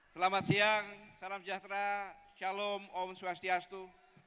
selamat siang salam sejahtera shalom om swastiastu